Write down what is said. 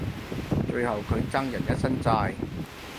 最後佢爭人一身債